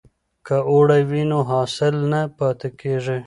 که اوړی وي نو حاصل نه پاتیږي.